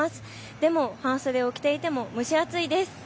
でも半袖を着ていても蒸し暑いです。